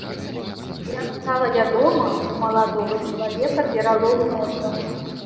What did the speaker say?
Як стала вядома, у маладога чалавека пералом носа.